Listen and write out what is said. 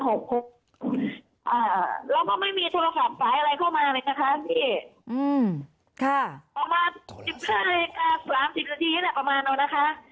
เราก็ไม่มีโทรศัพท์ไฟล์อะไรเข้ามาเลยนะคะพี่ประมาณ๑๕นาที๓๐สักทีแหละประมาณนั้นนะคะ